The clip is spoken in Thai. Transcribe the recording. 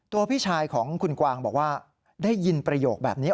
พี่ชายของคุณกวางบอกว่าได้ยินประโยคแบบนี้